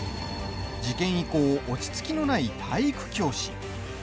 事件以降、落ち着きのない体育教師。